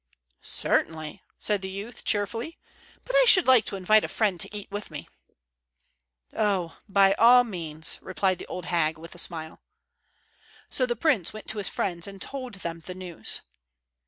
"Certainly," said the youth, cheerfully. "But I should like to invite a friend to eat with me." "Oh, by all means," replied the old hag, with a smile. So the prince went to his friends and told them the news.